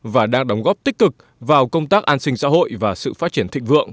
và đang đóng góp tích cực vào công tác an sinh xã hội và sự phát triển thịnh vượng